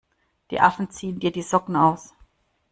Die Affen ziehen dir die Socken aus!